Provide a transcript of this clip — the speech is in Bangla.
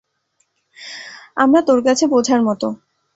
আমরা তর কাছে বোঝার মত।